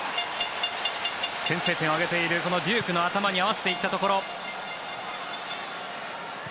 先制点を挙げているデュークの頭に合わせていったところ。